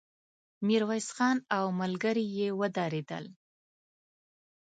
ميرويس خان او ملګري يې ودرېدل.